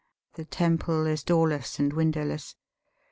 The temple is doorless and windowless.